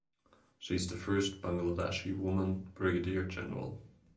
She is the first Bangladeshi woman Brigadier General.